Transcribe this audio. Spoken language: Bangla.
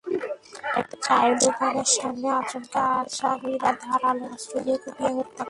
চায়ের দোকানের সামনে আচমকা আসামিরা ধারালো অস্ত্র দিয়ে কুপিয়ে হত্যা করে।